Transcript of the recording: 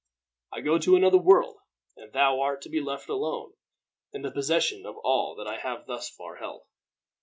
I go to another world, and thou art to be left alone in the possession of all that I have thus far held.